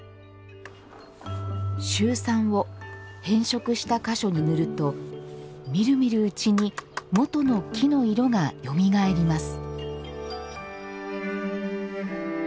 シュウ酸を変色した箇所に塗るとみるみるうちに元の木の色がよみがえります